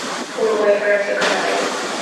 Uruguay, Francia, Canada y España.